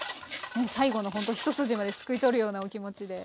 ね最後のほんと一筋まですくい取るようなお気持ちで。